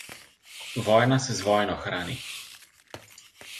Vojna se z vojno hrani.